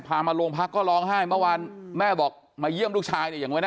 มาโรงพักก็ร้องไห้เมื่อวานแม่บอกมาเยี่ยมลูกชายเนี่ยอย่างไว้นะ